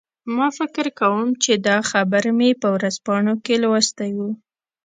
ما فکر کوم چې دا خبر مې په ورځپاڼو کې لوستی و